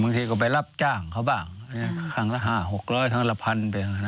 บางทีก็ไปรับจ้างเขาบ้างครั้งละ๕๖๐๐ครั้งละพันไป